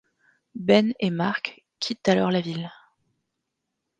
Ben et Mark quittent alors la ville.